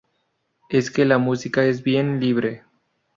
Es que la música es bien libre.